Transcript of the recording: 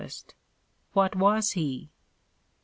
What was he? CHR.